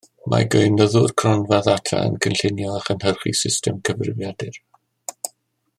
Mae gweinyddwr cronfa ddata yn cynllunio a chynhyrchu system cyfrifiadur